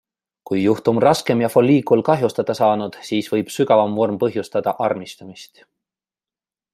Kui juhtum raskem ja folliikul kahjustada saanud, siis võib sügavam vorm põhjustada armistumist.